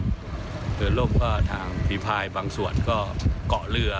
เรือล่มก็ทางฝีภายบางส่วนก็เกาะเรือ